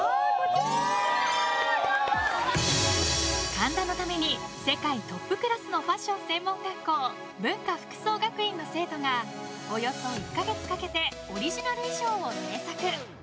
神田のために世界トップクラスのファッション専門学校文化服装学院の生徒がおよそ１か月かけてオリジナル衣装を制作。